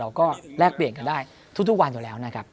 แลกเปลี่ยนกันได้ทุกวันอยู่แล้วนะครับ